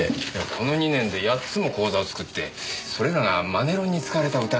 この２年で８つも口座を作ってそれらがマネロンに使われた疑いがある。